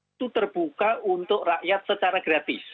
itu terbuka untuk rakyat secara gratis